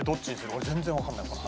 俺全然分かんない花は。